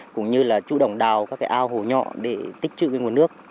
cũng như chủ động đào các ao hồ nhọ để tích trự nguồn nước